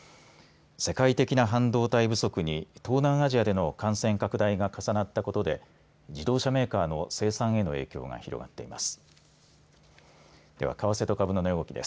世界的な半導体不足に東南アジアでの感染拡大が重なったことで自動車メーカーの生産への影響が広がっています。